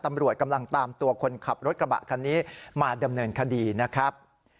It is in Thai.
ตำรวจกำลังตามตัวคนขับรถกระบะคันนี้มาดำเนินคดีนะครับ